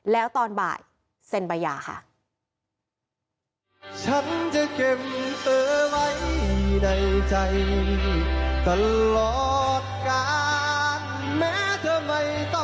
แล้วตอนบ่ายเซ็นใบยาค่ะ